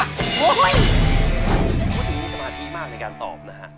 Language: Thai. ผมถึงมีสมาธิมากในการตอบนะครับ